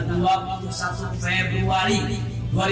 ikhlaskan niat dari rumah